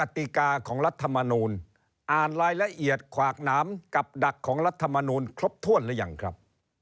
สวัสดีครับ